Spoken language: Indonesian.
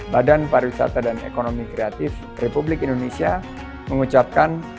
badan pariwisata dan ekonomi kreatif republik indonesia mengucapkan